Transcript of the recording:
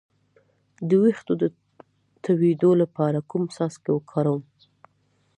د ویښتو د تویدو لپاره کوم څاڅکي وکاروم؟